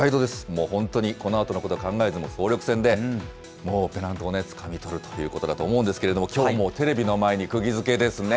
もう本当にこのあとのことは考えず、もう総力戦で、もう、ペナントをつかみ取るということだと思うんですけれども、きょうもテレビの前にくぎづけですね。